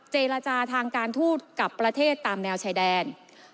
เจรจาทางการทูตกับประเทศตามแนวชายแดน